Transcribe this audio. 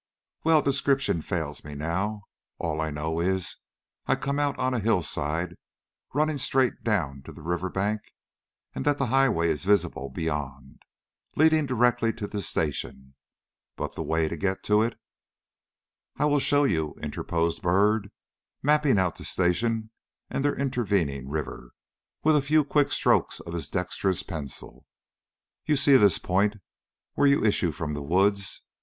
"Well, description fails me now. All I know is, I come out on a hillside running straight down to the river bank and that the highway is visible beyond, leading directly to the station; but the way to get to it " "I will show you," interposed Byrd, mapping out the station and the intervening river with a few quick strokes of his dexterous pencil. "You see this point where you issue from the woods?